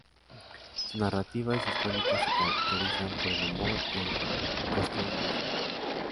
Su narrativa y sus crónicas se caracterizan por el humor y el costumbrismo.